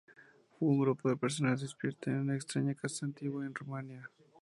Un grupo de personas despierta en una extraña casa antigua en Rumania.